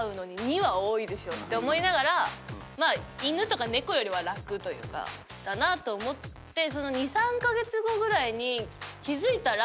思いながらまあ犬とか猫よりは楽というかだなと思ってその。